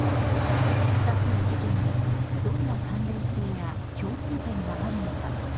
２つの事件にどんな関連性や共通点があるのか。